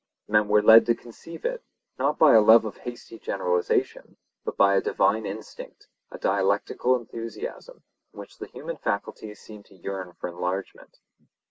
Men were led to conceive it, not by a love of hasty generalization, but by a divine instinct, a dialectical enthusiasm, in which the human faculties seemed to yearn for enlargement.